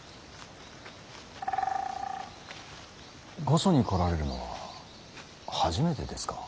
御所に来られるのは初めてですか。